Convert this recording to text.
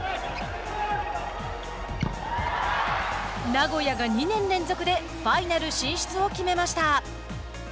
名古屋が２年連続でファイナル進出を決めました。